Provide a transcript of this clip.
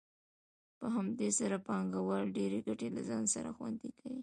په همدې سره پانګوال ډېرې ګټې له ځان سره خوندي کوي